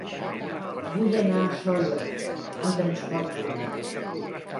Vull anar a Sóller amb transport públic.